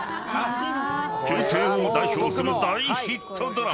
［平成を代表する大ヒットドラマ］